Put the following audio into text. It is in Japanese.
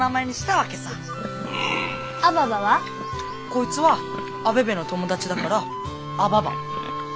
こいつはアベベの友達だからアババ。